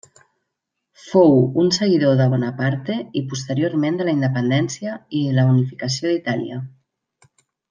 Fou un seguidor de Bonaparte i posteriorment de la independència i de la unificació d'Itàlia.